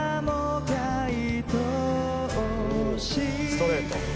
ストレート。